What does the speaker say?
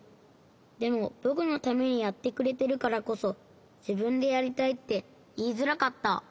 でもぼくのためにやってくれてるからこそじぶんでやりたいっていいづらかった。